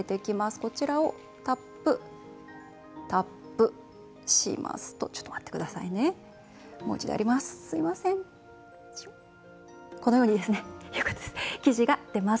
こちらをタップします。